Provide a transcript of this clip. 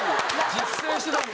実践してたんだ。